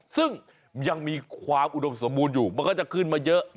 ซึ่งยังมีความอุดมสมบูรณ์อยู่มันก็จะขึ้นมาเยอะ